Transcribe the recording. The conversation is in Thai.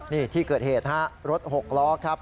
นี่ที่เกิดเหตุฮะรถ๖ล้อครับ